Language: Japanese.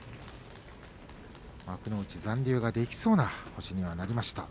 幕内残留ができそうな星にはなりました。